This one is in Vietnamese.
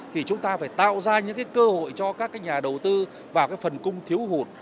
thì chúng ta phải tạo ra những cơ hội cho các nhà đầu tư vào phần cung thiếu hụt